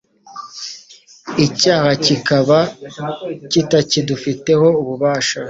icyaha kiba kitakidufiteho ububasha.